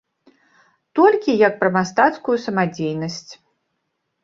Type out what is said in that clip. Толькі як пра мастацкую самадзейнасць.